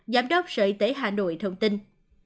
giám đốc sở y tế hà nội thượng tinh